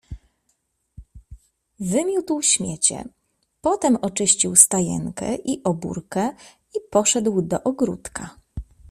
"Wymiótł śmiecie, potem oczyścił stajenkę i obórkę i poszedł do ogródka."